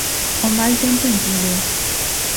O mal tempo impídeo.